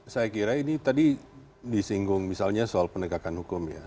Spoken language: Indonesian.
saya kira ini tadi disinggung misalnya soal penegakan hukum ya